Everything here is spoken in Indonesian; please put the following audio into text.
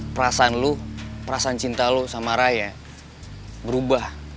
perasaan lo perasaan cinta lo sama raya berubah